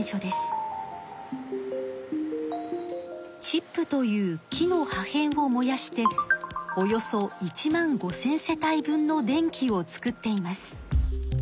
チップという木の破へんを燃やしておよそ１万５，０００世帯分の電気を作っています。